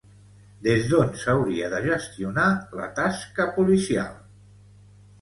Des d'on s'hauria de gestionar la tasca policial?